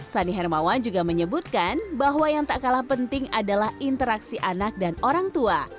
sani hermawan juga menyebutkan bahwa yang tak kalah penting adalah interaksi anak dan orang tua